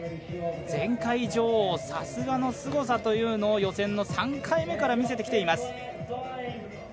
前回女王さすがのすごさというのを予選の３回目から見せてきています